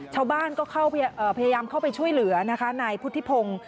ชาวบ้านก็พยายามเข้าไปช่วยเหลือนะคะนายพุทธิพงศ์